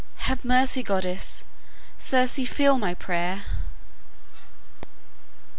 Have mercy, goddess! Circe, feel my prayer!"